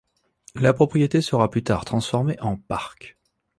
La propriété sera plus tard transformée en parc.